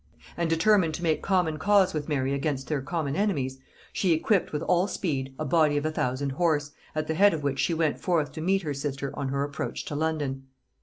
And determined to make common cause with Mary against their common enemies, she equipped with all speed a body of a thousand horse, at the head of which she went forth to meet her sister on her approach to London.